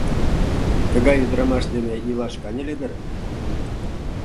— Тыгай ӱдырамаш дене илаш каньыле дыр?